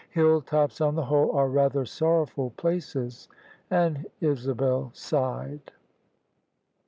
Hill tops on the whole are rather sorrowful places." And Isabel sighed.